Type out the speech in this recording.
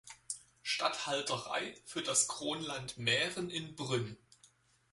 Statthalterei für das Kronland Mähren in Brünn.